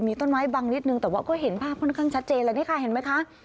มีต้นไม้บังนิดนึงแต่ว่าก็เห็นภาพค่อนข้างชัดเจนแล้วนี่ค่ะเห็นไหมคะ